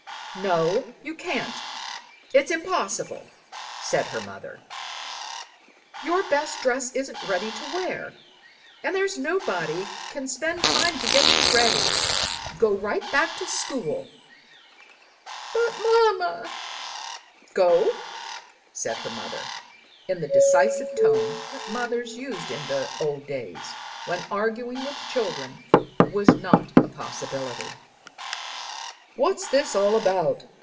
"No, you can't; it's impossible," said her mother. "Your best dress isn't ready to wear, and there's nobody can spend time to get you ready. Go right back to school." "But, mamma " "Go!" said her mother, in the decisive tone that mothers used in the old days, when arguing with children was not a possibility. "What's all this about?"